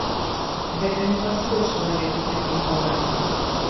Гэта не пасуе чалавеку з такім гонарам.